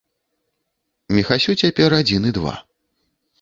Міхасю цяпер адзін і два.